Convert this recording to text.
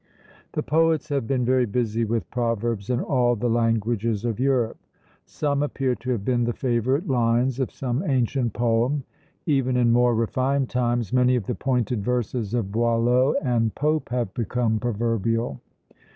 The poets have been very busy with proverbs in all the languages of Europe: some appear to have been the favourite lines of some ancient poem: even in more refined times, many of the pointed verses of Boileau and Pope have become proverbial.